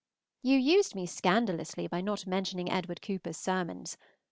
You used me scandalously by not mentioning Edward Cooper's sermons.